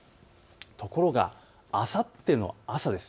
ところがあさっての朝です。